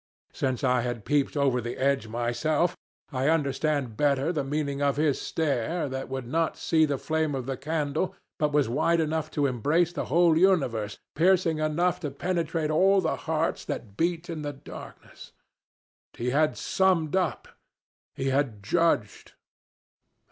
Since I had peeped over the edge myself, I understand better the meaning of his stare, that could not see the flame of the candle, but was wide enough to embrace the whole universe, piercing enough to penetrate all the hearts that beat in the darkness. He had summed up he had judged.